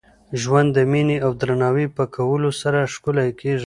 ژوند د میني او درناوي په کولو سره ښکلی کېږي.